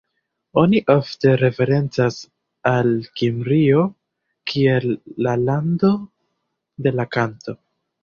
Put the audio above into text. Oni ofte referencas al Kimrio kiel la "lando de la kanto".